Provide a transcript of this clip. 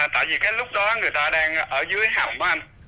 tại vì cái lúc đó người ta đang ở dưới hầm của anh